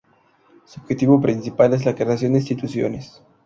Su objetivo principal es la creación de instituciones.